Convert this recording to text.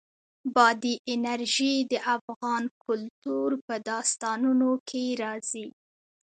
بادي انرژي د افغان کلتور په داستانونو کې راځي.